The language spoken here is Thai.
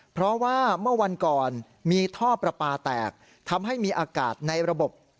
เพราะว่าเมื่อวันก่อนมีท่อประปาแตกทำให้มีอากาศในระบบ